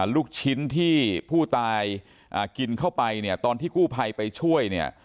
ลูกชิ้นที่ผู้ตายกินเข้าไปเนี่ยตอนที่กู้ภัยไปช่วยเนี่ย